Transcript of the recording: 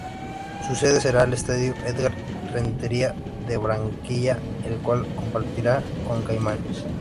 Su sede será el estadio Édgar Rentería de Barranquilla el cual compartirá con Caimanes.